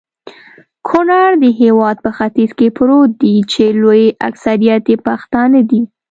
کونړ د هيواد په ختیځ کي پروت دي.چي لوي اکثريت يي پښتانه دي